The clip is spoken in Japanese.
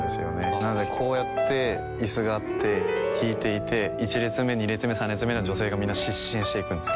なんでこうやってイスがあって弾いていて１列目２列目３列目の女性がみんな失神していくんですよ